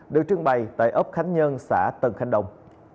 được trưng bày tại ốc khánh nhân xã tân khánh đồng